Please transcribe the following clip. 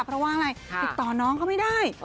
เพราะว่าอะไรติดต่อน้องเขาไม่ได้